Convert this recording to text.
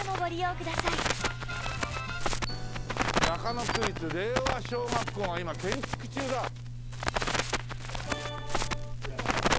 また中野区立令和小学校が今建築中だ。